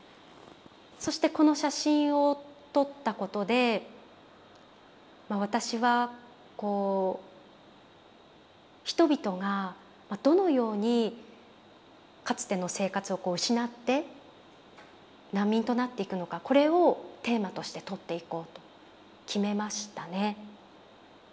そしてこの写真を撮ったことで私はこう人々がどのようにかつての生活を失って難民となっていくのかこれをテーマとして撮っていこうと決めましたね。